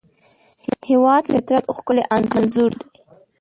هیواد مې د فطرت ښکلی انځور دی